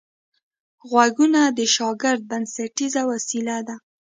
غوږونه د شاګرد بنسټیزه وسیله ده